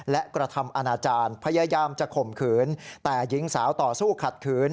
และกระทำอาณาจารย์พยายามจะข่มขืนแต่หญิงสาวต่อสู้ขัดขืน